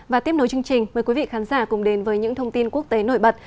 và tiếp nối chương trình mời quý vị khán giả cùng đến với những thông tin quốc tế nổi bật